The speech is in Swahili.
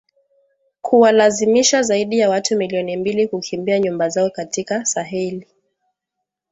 kuwalazimisha zaidi ya watu milioni mbili kukimbia nyumba zao katika Saheli